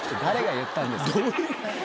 誰が言ったんですか？